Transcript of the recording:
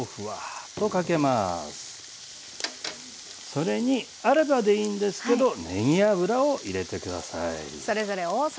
それにあればでいいんですけどねぎ油を入れて下さい。